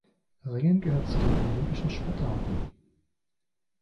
Ringen gehört zu den olympischen Sportarten.